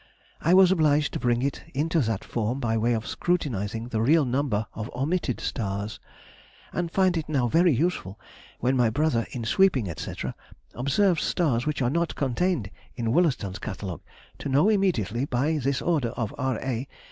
I was obliged to bring it into that form by way of scrutinizing the real number of omitted stars, and find it now very useful when my brother, in sweeping, &c., observes stars which are not contained in Wollaston's Catalogue, to know immediately by this order of R. A.